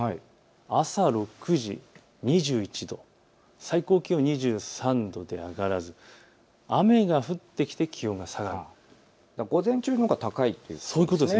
朝６時２１度、最高気温２３度で上がらず雨が降ってきて気温が下がる、午前中のほうが高いですね。